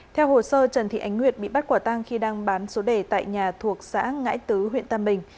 theo hồ sơ trần thị ánh nguyệt bị bắt quả tang khi đang bán số đề tại nhà thuộc xã ngãi tứ huyện tam bình